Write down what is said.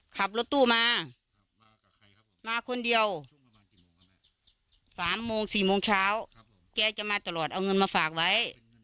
ขับรถตู้มามากับใครครับมาคนเดียวสามโมงสี่โมงเช้าครับแกจะมาตลอดเอาเงินมาฝากไว้